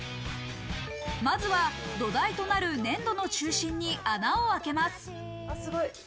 まずは土台となる粘土の中心に穴を開けます。